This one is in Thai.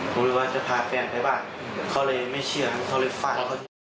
ก็สอบถามเขาบอกว่าเขาไม่ทำอะไรผิด